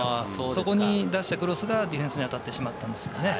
そこに出してクロスがディフェンスに当たってしまったんですけれどもね。